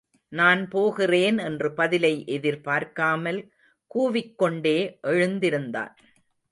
நான் போகிறேன் என்று பதிலை எதிர்பார்க்காமல் கூவிக்கொண்டே எழுந்திருந்தான்.